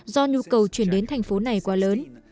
do nhu cầu chuyển đến thành phố này quá lớn